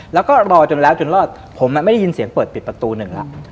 แล้วก็รอจนแล้วจนรอดผมไม่ได้ยินเสียงเปิดปิดประตูหนึ่งแล้ว